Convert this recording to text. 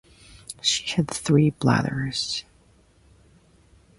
She had three brothers.